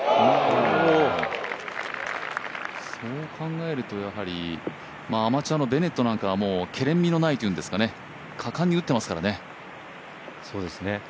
そう考えると、やはりアマチュアのベネットなんかはけれんみのないというか果敢に打ってますからね。